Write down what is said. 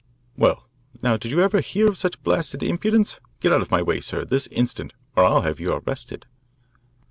"Well, now, did you ever hear of such blasted impudence? Get out of my way, sir, this instant, or I'll have you arrested."